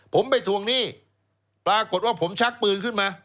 ผมไปทวงหนี้ปรากฏว่าผมชักปืนขึ้นมา